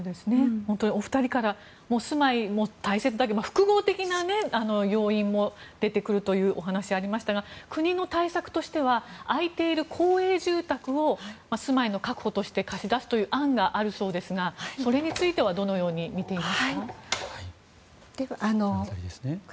お二人から住まいも大切だけど複合的な要因も出てくるというお話がありましたが国の対策としては空いている公営住宅を住まいの確保として貸し出すという案があるそうですがそれについてはどのように見ていますか？